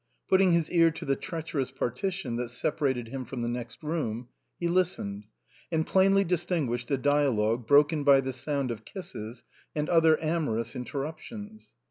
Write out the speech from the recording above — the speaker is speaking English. Putting his ear to the treacherous partition that separated him from the next room, he lis tened, and plainly distinguished a dialogue broken by the sound of kisses and other amorous interruptions.